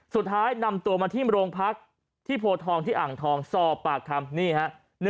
สุดท้ายนำตัวมาที่โรงพักที่โพทองที่อ่างทองสอบปากคำนี่ฮะ